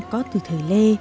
chợ nôm có từ thời lê